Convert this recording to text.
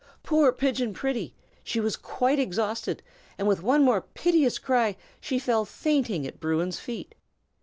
Poor Pigeon Pretty! She was quite exhausted, and with one more piteous cry she fell fainting at Bruin's feet.